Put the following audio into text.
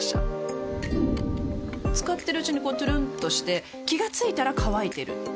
使ってるうちにこうトゥルンとして気が付いたら乾いてる